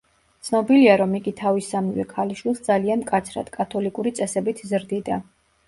ცნობილია, რომ იგი თავის სამივე ქალიშვილს ძალიან მკაცრად, კათოლიკური წესებით ზრდიდა.